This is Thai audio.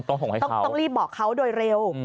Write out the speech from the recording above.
ต้องรีบบอกเขาโดยเร็ว